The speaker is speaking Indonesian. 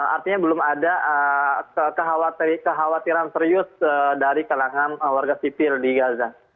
artinya belum ada kekhawatiran serius dari kalangan warga sipil di gaza